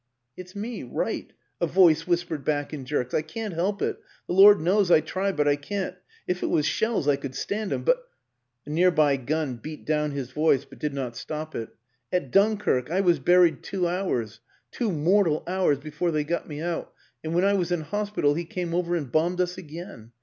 "" It's me Wright," a voice whispered back in jerks. " I can't help it the Lord knows I try, but I can't. If it was shells I could stand 'em, but " A near by gun beat down his voice but did not stop it " at Dunkirk. I v/as buried two hours: two mortal hours before they got me out and when I was in hospital he came over and bombed us again.